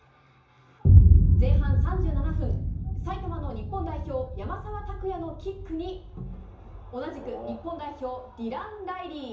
前半３７分、埼玉の日本代表、山沢拓也のキックに、同じく日本代表、ディラン・ライリー。